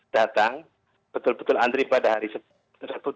datang betul betul antri pada hari tersebut